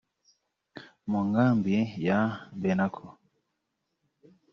mu nkambi ya Benako